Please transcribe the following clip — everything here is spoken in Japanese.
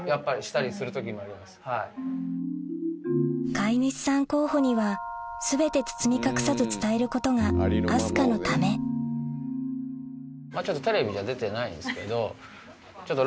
飼い主さん候補には全て包み隠さず伝えることが明日香のためテレビじゃ出てないですけど。